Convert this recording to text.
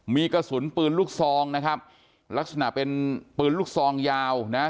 มีกระสุนปืนลูกซองนะครับลักษณะเป็นปืนลูกซองยาวนะฮะ